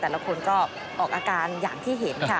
แต่ละคนก็ออกอาการอย่างที่เห็นค่ะ